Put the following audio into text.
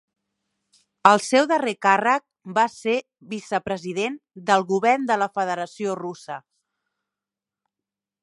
El seu darrer càrrec va ser vicepresident del govern de la Federació Russa.